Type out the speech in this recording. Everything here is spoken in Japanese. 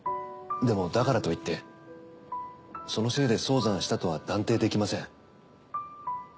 でもだからといってそのせいで早産したとは断定できません。